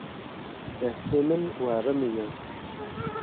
Destê min werimiye.